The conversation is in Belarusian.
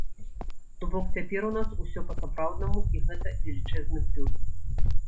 То бок цяпер у нас усё па-сапраўднаму і гэта велічэзны плюс.